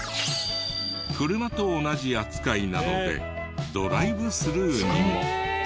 車と同じ扱いなのでドライブスルーにも。